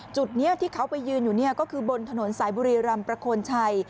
จุดนี้ที่เขาไปยืนอยู่ก็คือบนถนนสายบุรีรำประโคนชัย